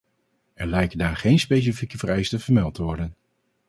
Er lijken daar geen specifieke vereisten vermeld te worden.